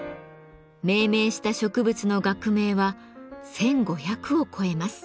命名した植物の学名は１，５００を超えます。